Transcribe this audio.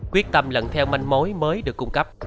quyết tâm lần theo manh mối mới được cung cấp